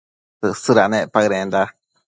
Tësëdanec paëdenda